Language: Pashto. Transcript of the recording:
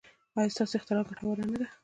ایا ستاسو اختراع ګټوره نه ده؟